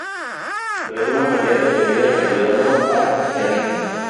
De alguna manera, terminan ayudando a Rarity.